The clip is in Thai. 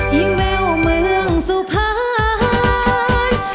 ยิ่งแววเมืองสุพรรณ